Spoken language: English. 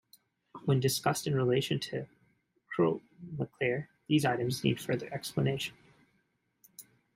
When discussed in relation to Cromaclear, these items need further explanation.